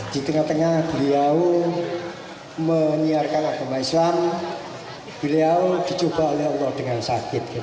di tengah tengah beliau menyiarkan agama islam beliau dicoba oleh allah dengan sakit